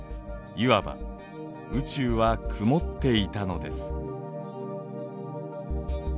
いわば宇宙は「曇って」いたのです。